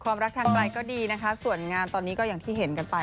รักทางไกลก็ดีนะคะส่วนงานตอนนี้ก็อย่างที่เห็นกันไป